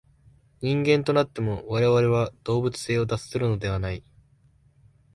人間となっても、我々は動物性を脱するのではない。